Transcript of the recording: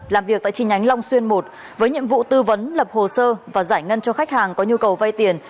làm việc tại chi nhánh long xuyên một với nhiệm vụ tư vấn lập hồ sơ và giải ngân cho khách hàng có nhu cầu vay tiền